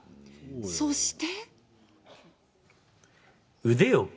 そして。